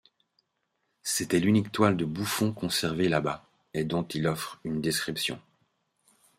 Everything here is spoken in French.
C’était l’unique toile de bouffon conservée là bas et dont il offre une description.